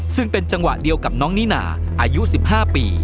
ซึ่งเป็นจังหวะเดียวกับน้องนิน่าอายุ๑๕ปี